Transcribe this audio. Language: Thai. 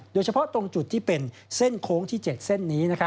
โดยเฉพาะตรงจุดที่เป็นเส้นโค้งที่๗เส้นนี้